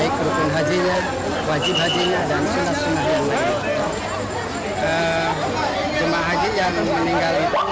kloter dua itu satu orang